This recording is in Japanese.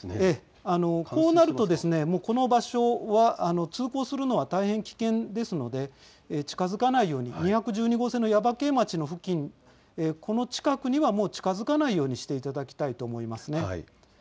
こうなると、もうこの場所は通行するのは大変危険ですので近づかないように２１２号線の耶馬溪町の付近、この付近には近づかないようにしていただきたいと思います。